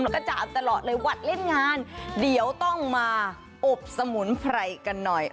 แล้วก็จาบตลอดเลยหวัดเล่นงานเดี๋ยวต้องมาอบสมุนไพรกันหน่อย